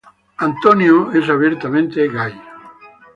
Fall es abiertamente gay.